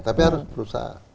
tapi harus berusaha